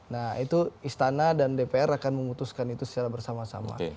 nah itu istana dan dpr akan memutuskan itu secara bersama sama